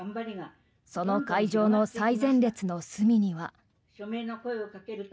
その会場の最前列の隅には。